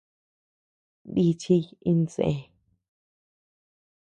Nichiy iñsé.